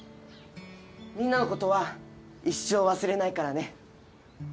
みんなのことは一生忘れないからね。